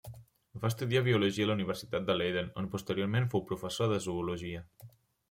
Va estudiar biologia a la Universitat de Leiden, on posteriorment fou professor de zoologia.